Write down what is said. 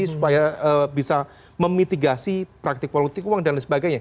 supaya bisa memitigasi praktik politik uang dan lain sebagainya